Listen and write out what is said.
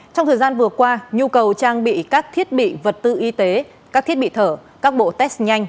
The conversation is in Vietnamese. trong thời gian vừa qua nhu cầu trang bị các thiết bị vật tư y tế các thiết bị thở các bộ test nhanh